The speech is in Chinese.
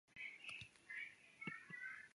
循环十号公车